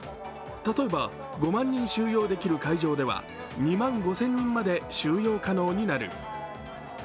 例えば５万人収容できる会場では２万５０００人まで収容可能になる。